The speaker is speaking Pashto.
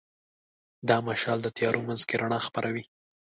دا مشال د تیارو منځ کې رڼا خپروي.